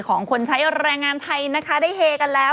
ของคนใช้แรงงานไทยนะคะได้เฮกันแล้ว